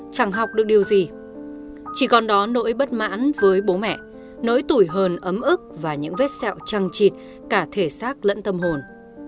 chỉ còn đó nỗi bất mãn với bố mẹ nỗi tủi hờn ấm ức và những vết sẹo trăng trịt cả thể xác lẫn tâm hồn